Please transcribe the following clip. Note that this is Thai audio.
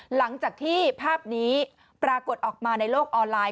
หลังจากที่ภาพนี้ปรากฏออกมาในโลกออนไลน์